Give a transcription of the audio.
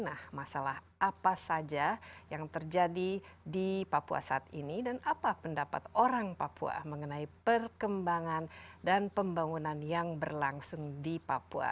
nah masalah apa saja yang terjadi di papua saat ini dan apa pendapat orang papua mengenai perkembangan dan pembangunan yang berlangsung di papua